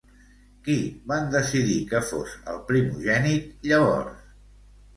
Qui van decidir que fos el primogènit, llavors?